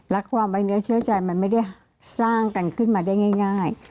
และความไว้เนื้อเชื่อใจมันไม่ได้สร้างกันขึ้นมาได้ง่าย